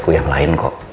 aku yang lain kok